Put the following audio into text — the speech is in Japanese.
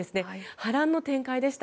波乱の展開でした。